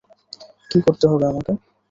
কী করতে হবে আমাকে?